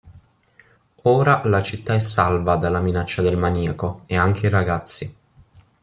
Ora la città è salva dalla minaccia del maniaco, e anche i ragazzi.